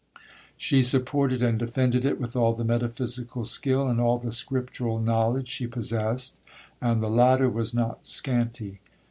—She supported and defended it with all the metaphysical skill, and all the scriptural knowledge she possessed,—and the latter was not scanty.